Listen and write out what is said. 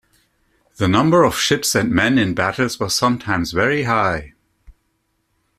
The number of ships and men in battles was sometimes very high.